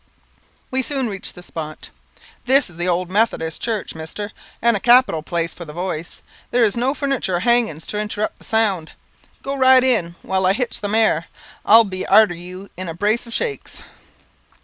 We soon reached the spot. "This is the old Methodist church, mister, and a capital place for the voice. There is no furniture or hangings to interrupt the sound. Go right in, while I hitch the mare; I will be arter you in a brace of shakes."